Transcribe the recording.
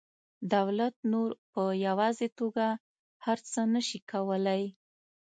دولت نور په یوازې توګه هر څه نشي کولی